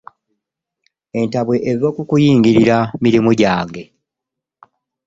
Entabwe eva ku kuyingirira mirimu jange.